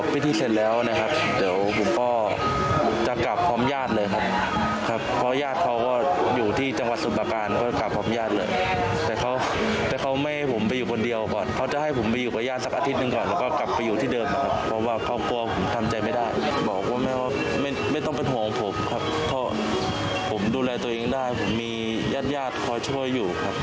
ผมมีญาติญาติคอยช่วยอยู่ค่ะ